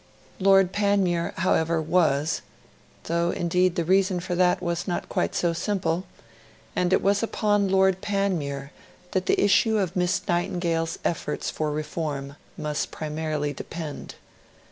Lord Panmure, however, was (though indeed the reason for that was not quite so simple); and it was upon Lord Panmure that the issue of Miss Nightingale's efforts for reform must primarily depend.